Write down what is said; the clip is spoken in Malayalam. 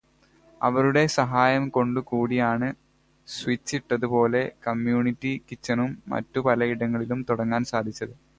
അവരുടെ സഹായം കൊണ്ടു കൂടിയാണ് സ്വിച്ചട്ടത് പോലെ കമ്മ്യൂണിറ്റി കിച്ചനും മറ്റും പലയിടങ്ങളിലും തുടങ്ങാൻ സാധിച്ചത്.